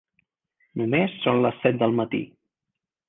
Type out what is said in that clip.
Només són les set del matí.